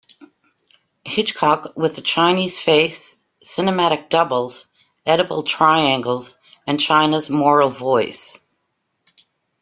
Hitchcock With a Chinese Face: Cinematic Doubles, Oedipal Triangles, and China's Moral Voice.